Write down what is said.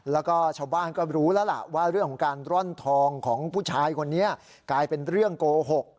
แล้วก็ชาวบ้านก็รู้แล้วล่ะว่าเรื่องของการร่อนทองของผู้ชายคนนี้กลายเป็นเรื่องโกหก